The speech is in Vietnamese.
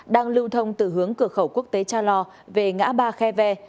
đang lưu thông từ hướng cửa khẩu quốc tế cha lo về ngã ba khe ve